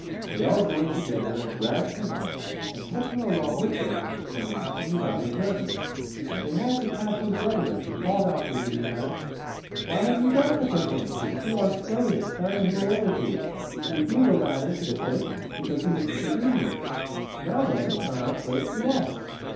They all joined together and dragged him up, and took him along with them when they continued on their journey. They had to pass his brethren, who called out to the Midianites: "Why have you done such a thing, to steal our slave and carry him away with you? We threw the lad into the pit, because he was disobedient. Now, then, return our slave to us."